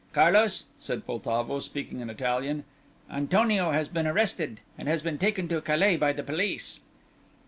"Carlos," said Poltavo, speaking in Italian, "Antonio has been arrested, and has been taken to Calais by the police."